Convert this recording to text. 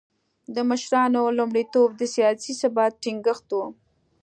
د مشرانو لومړیتوب د سیاسي ثبات ټینګښت و.